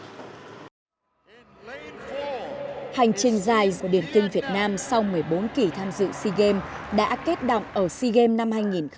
hành trình dài của điển tin việt nam sau một mươi bốn kỷ tham dự sea games đã kết động ở sea games năm hai nghìn một mươi năm